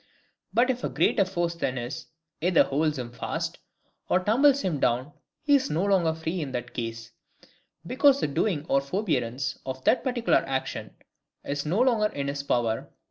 But if a greater force than his, either holds him fast, or tumbles him down, he is no longer free in that case; because the doing or forbearance of that particular action is no longer in his power.